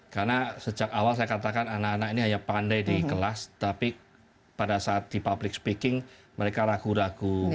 karena sejak awal saya katakan anak anak ini hanya pandai di kelas tapi pada saat di public speaking mereka ragu ragu